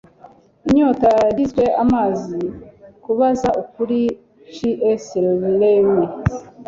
inyota yagizwe amazi; kubaza ukuri - c s lewis